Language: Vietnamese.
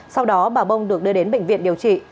sau đó bà bông được đưa đến bệnh viện điều trị